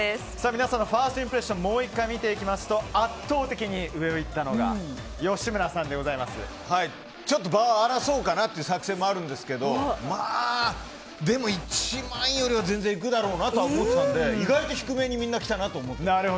皆さんのファーストインプレッションをもう１回見てみますと圧倒的に上をいったのがちょっと場を荒らそうかなという作戦もあるんですけどでも、１万よりは全然いくだろうなと思ってたので意外と低めに来たなと思って。